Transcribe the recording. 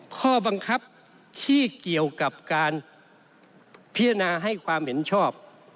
ข้อบังคับที่เกี่ยวกับการพิจารณาให้ความเห็นชอบ